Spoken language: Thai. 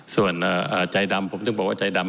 ส่วนใจดำผมถึงบอกว่าใจดำ